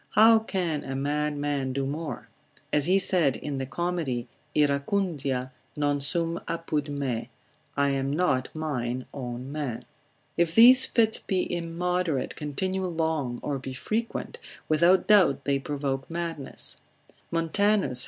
How can a mad man do more? as he said in the comedy, Iracundia non sum apud me, I am not mine own man. If these fits be immoderate, continue long, or be frequent, without doubt they provoke madness. Montanus, consil.